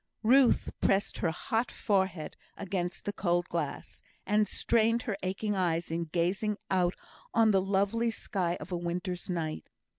Ruth pressed her hot forehead against the cold glass, and strained her aching eyes in gazing out on the lovely sky of a winter's night.